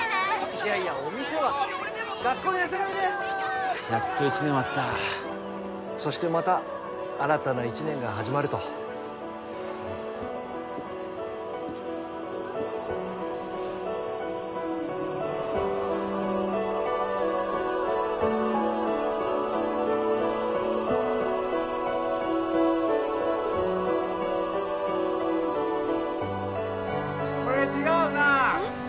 いやいやお店は学校に遊びにおいでやっと１年終わったそしてまた新たな１年が始まるとこれ違うなうん？